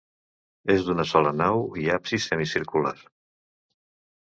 És d'una sola nau i absis semicircular.